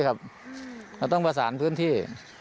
เราต้องประสานพื้นที่